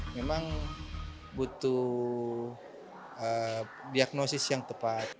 memang butuh diagnosis yang tepat